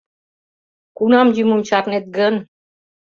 — Кунам йӱмым чарнет гын?